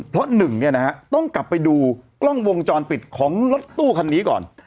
เพราะหนึ่งต้องกลับไปดูกล้องวงจรปิดของรถตู้คันนี้ก่อน